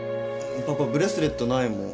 パパブレスレットないもん